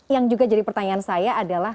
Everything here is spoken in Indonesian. yang juga jadi pertanyaan saya adalah